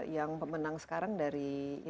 yang pemenang sekarang dari